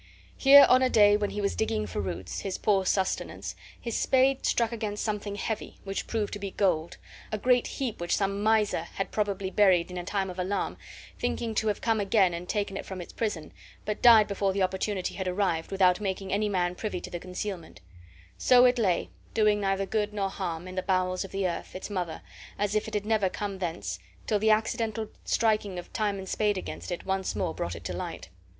Here on a day, when he was digging for roots, his poor sustenance, his spade struck against something heavy, which proved to be gold, a great heap which some miser had probably buried in a time of alarm, thinking to have come again and taken it from its prison, but died before the opportunity had arrived, without making any man privy to the concealment; so it lay, doing neither good nor harm, in the bowels of the earth, its mother, as if it had never come thence, till the accidental striking of Timon's spade against it once more brought it to light.